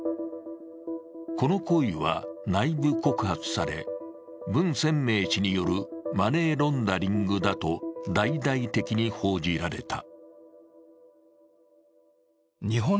この行為は内部告発され文鮮明氏によるマネーロンダリングだと大々的に報じられた。